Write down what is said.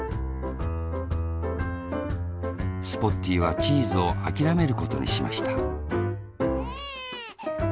スポッティーはチーズをあきらめることにしましたエンエン。